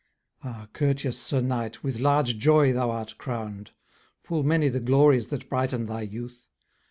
Ah! courteous Sir Knight, with large joy thou art crown'd; Full many the glories that brighten thy youth!